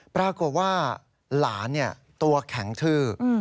ปรากฏว่าหลานตัวแข็งทื้อ